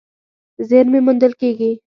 زېرمې موندل کېږي.